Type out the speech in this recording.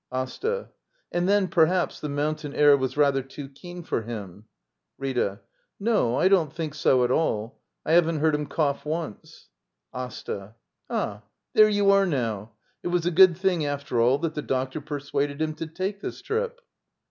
AsTA. And then, perhaps, the mountain air was rather too keen for him. RrrA. No; I don't think so at alL I haven't heard him coug^ once. AsTA. Ah, there you see nowl It was a good thing, after all, that the doctor persuaded him to take this trip.